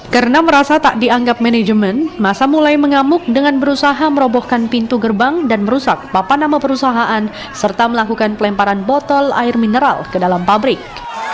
karena merasa tak dianggap manajemen masa mulai mengamuk dengan berusaha merobohkan pintu gerbang dan merusak papanama perusahaan serta melakukan pelemparan botol air mineral ke dalam pabrik